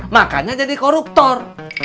makanya jadi koruptor